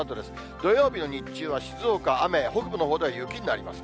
土曜日の日中は静岡雨、北部のほうでは雪になりますね。